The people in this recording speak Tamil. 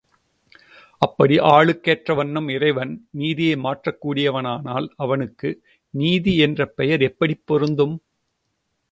அப்படி ஆளுக் கேற்ற வண்ணம் இறைவன் நீதியை மாற்றக் கூடியவனானால் அவனுக்கு, நீதி என்ற பெயர் எப்படிப் பொருந்தும்?